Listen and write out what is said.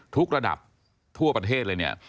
ระดับทั่วประเทศเลยเนี่ย